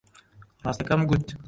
ڕاستییەکەم گوت.